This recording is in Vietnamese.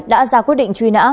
đã ra quyết định truy nã